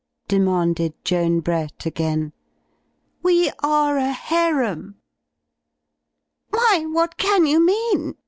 '* demanded Joan Brett, again. "We are a Harem." 'Why, what can you mean?"